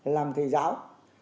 làm thầy giáo